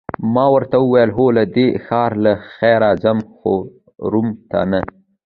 ما ورته وویل: هو، له دې ښاره له خیره ځم، خو روم ته نه.